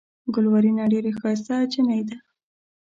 ګلورينه ډېره ښائسته جينۍ ده۔